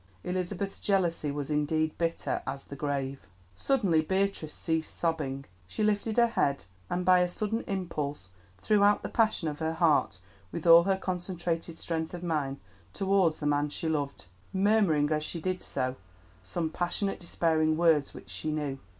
Elizabeth's jealousy was indeed bitter as the grave. Suddenly Beatrice ceased sobbing. She lifted her head, and by a sudden impulse threw out the passion of her heart with all her concentrated strength of mind towards the man she loved, murmuring as she did so some passionate, despairing words which she knew.